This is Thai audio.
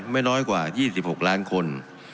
ไม่น้อยกว่า๒๖ล้านคน